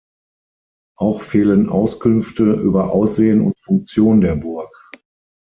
Auch fehlen Auskünfte über Aussehen und Funktion der Burg.